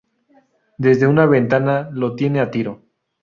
Desde una ventana lo tiene a tiro.